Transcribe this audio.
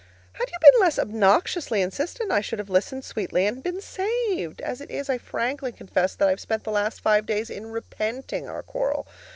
Had you been less obnoxiously insistent, I should have listened sweetly, and been saved. As it is, I frankly confess that I have spent the last five days in repenting our quarrel.